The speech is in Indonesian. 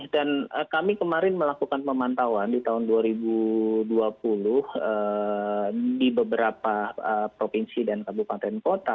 dan kami kemarin melakukan pemantauan di tahun dua ribu dua puluh di beberapa provinsi dan kabupaten kota